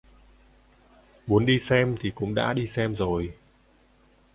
Muốn đi xem thì cũng đã đi xem rồi